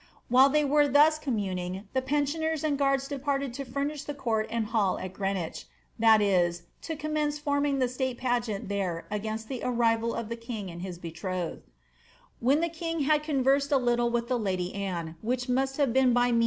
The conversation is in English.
While they were thus communing, the pensioners and guards departed to furnish the court and hall at Greenwich,'^ that is. to commence forming the state pageant there against the arriTal of thf king and his betrothed. When the king had conversed a little with the lady Anne, which most have been by mean?